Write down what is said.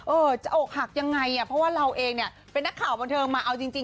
เออจะอกหักยังไงอ่ะเพราะว่าเราเองเนี่ยเป็นนักข่าวบันเทิงมาเอาจริง